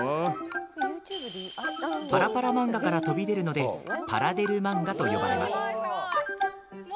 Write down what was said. パラパラ漫画から飛び出るのでパラデル漫画と呼ばれます。